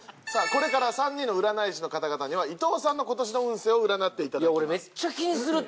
さぁこれから３人の占い師の方々には伊藤さんの今年の運勢を占っていただきます。